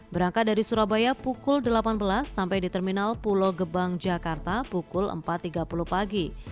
berangkat dari surabaya pukul delapan belas sampai di terminal pulau gebang jakarta pukul empat tiga puluh pagi